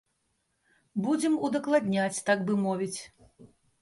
Будзем удакладняць, так бы мовіць.